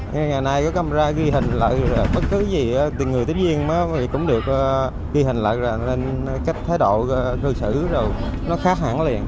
ngày nay có camera ghi hình lại bất cứ gì người tiếp viên cũng được ghi hình lại lên cách thái độ cư xử rồi nó khác hẳn liền